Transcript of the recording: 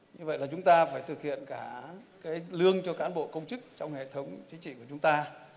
như vậy là chúng ta phải thực hiện cả cái lương cho cán bộ công chức trong hệ thống chính trị của chúng ta